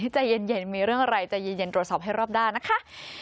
ใจเย็นมีเรื่องอะไรใจเย็นตรวจสอบให้รอบด้านนะคะ